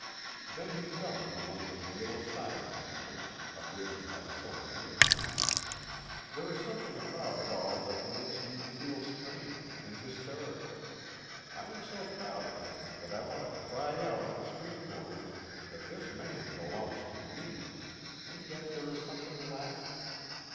Then he fell into one of his little silent moments, of which he has so many now. There is something about it all that makes me feel strange and hysterical. I am so proud of him that I want to cry out on the street corners that this man belongs to me and yet there is something lacking.